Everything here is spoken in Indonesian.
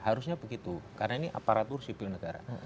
harusnya begitu karena ini aparatur sipil negara